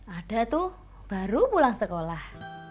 ada tuh baru pulang sekolah